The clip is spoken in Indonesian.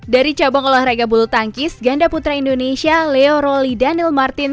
dari cabang olahraga bulu tangkis ganda putra indonesia leo roli daniel martin